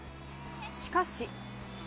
しかし。